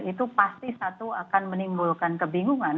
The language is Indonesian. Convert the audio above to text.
itu pasti satu akan menimbulkan kebingungan